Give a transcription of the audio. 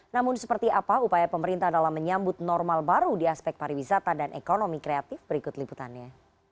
namun seperti apa upaya pemerintah dalam menyambut normal baru di aspek pariwisata dan ekonomi kreatif berikut liputannya